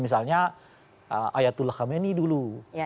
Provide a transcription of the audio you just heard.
misalnya ayatullah khamenei dulu